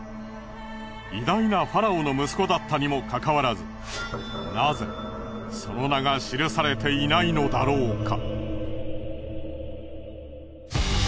偉大なファラオの息子だったにも関わらずなぜその名が記されていないのだろうか？